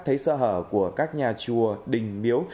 thấy sợ hở của các nhà chùa đình miếu